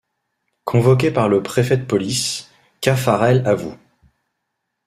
Convoqué par le préfet de police, Caffarel avoue.